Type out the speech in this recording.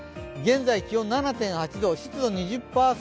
現在、気温７．８度、湿度２０％